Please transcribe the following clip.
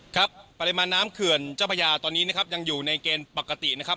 ครับปริมาณน้ำเขื่อนเจ้าพระยาตอนนี้นะครับยังอยู่ในเกณฑ์ปกตินะครับ